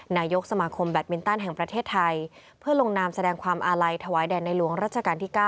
นายกสมาคมแบตมินตันแห่งประเทศไทยเพื่อลงนามแสดงความอาลัยถวายแด่ในหลวงรัชกาลที่๙